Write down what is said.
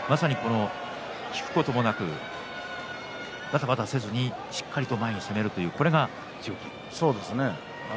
引くこともなく、ばたばたせずにしっかり前に攻めるこれが強気ですね。